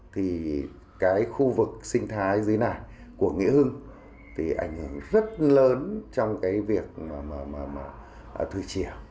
thì cái khu vực sinh thái dưới này của nghĩa hưng thì ảnh hưởng rất lớn trong cái việc thủy chiều